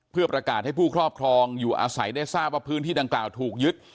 เพื่อประกาศให้ผู้ครอบครองอยู่อาศัยได้ทราบว่าพื้นที่ดังกล่าวถูกยึด